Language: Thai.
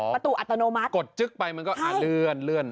ประตูอัตโนมัติกดจึ๊กไปมันก็เลื่อน